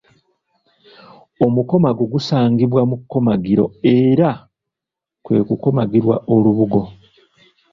Omukomago gusangibwa mu kkomagiro era kwe kukomagirwa olubugo.